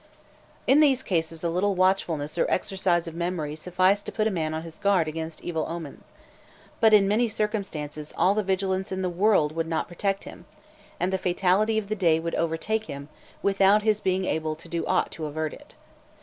In these cases a little watchfulness or exercise of memory sufficed to put a man on his guard against evil omens; but in many circumstances all the vigilance in the world would not protect him, and the fatality of the day would overtake him, without his being able to do ought to avert it.